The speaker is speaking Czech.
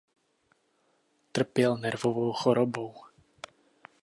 Trpěl nervovou chorobou.